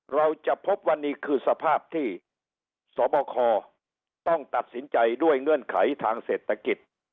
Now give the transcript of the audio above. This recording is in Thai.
เราจะพบว่านี่คือสภาพที่สบคต้องตัดสินใจด้วยเงื่อนไขทางเศรษฐกิจ